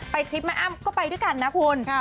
ทริปแม่อ้ำก็ไปด้วยกันนะคุณ